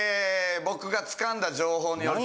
僕がつかんだ情報によると。